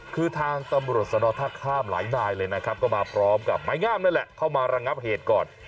คือทางตำรวจสนท่าข้ามหลายนายเลยนะครับก็มาพร้อมกับไม้งามนั่นแหละเข้ามาระงับเหตุก่อน